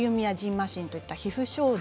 ましんといった皮膚症状